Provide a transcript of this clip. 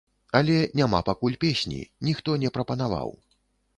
Але няма пакуль песні, ніхто не прапанаваў.